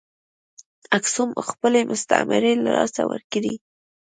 اکسوم خپلې مستعمرې له لاسه ورکړې.